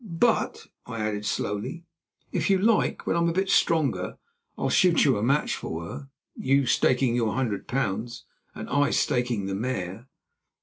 "But," I added slowly, "if you like, when I am a bit stronger I'll shoot you a match for her, you staking your hundred pounds and I staking the mare."